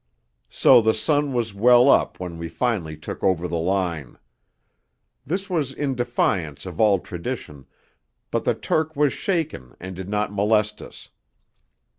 So the sun was well up when we finally took over the line; this was in defiance of all tradition, but the Turk was shaken and did not molest us.